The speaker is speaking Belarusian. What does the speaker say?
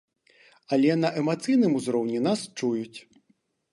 Але на эмацыйным узроўні нас чуюць.